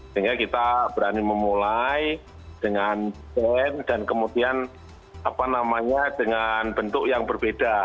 sehingga kita berani memulai dengan pen dan kemudian apa namanya dengan bentuk yang berbeda